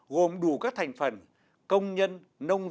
gồm đủ các thành phần công nhân nông dân